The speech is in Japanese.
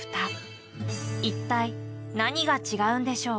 一体何が違うんでしょう？